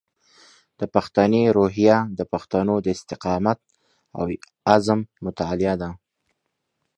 د پښتني روحیه د پښتنو د استقامت او عزم مطالعه ده.